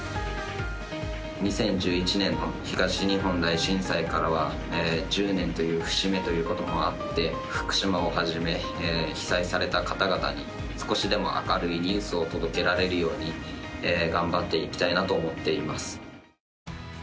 ２０１１年の東日本大震災からは１０年という節目ということもあって福島をはじめ、被災された方々に少しでも明るいニュースを届けられるように頑張っていきたいなと思っています。